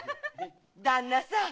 旦那さん！